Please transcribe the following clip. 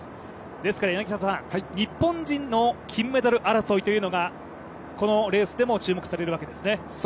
ですから、日本人の金メダル争いというのがこのレースでも注目されるわけですね。